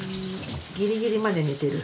ギリギリまで寝てる？